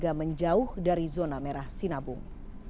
agar warga menjauh dari zona merah sinabung